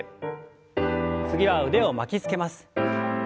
次は腕を巻きつけます。